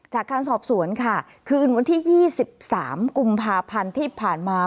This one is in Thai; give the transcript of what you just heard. จากการสอบสวนค่ะคืนวันที่๒๓กุมภาพันธ์ที่ผ่านมา